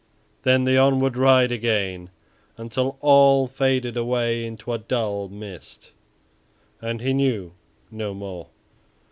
Then the onward ride again, until all faded away into a dull mist and he knew no more.